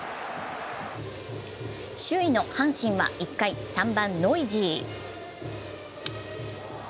首位の阪神は１回、３番のノイジー。